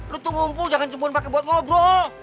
lo tuh ngumpul jangan cemburan pakai buat ngobrol